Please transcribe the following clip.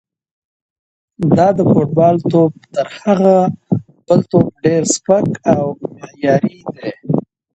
دا د فوټبال توپ تر هغه بل توپ ډېر سپک او معیاري دی.